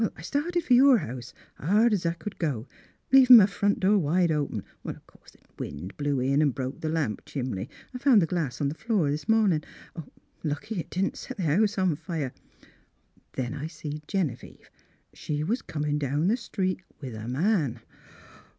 I started for your house, hard 's I could go, leavin' m' front door wide open, o' course the wind blew in an' broke the lamp chimbly. I found the glass on the floor this mornin'. Lucky it didn't set the house afire. — Then I see Gene vieve. She was comin' down the street, with a man.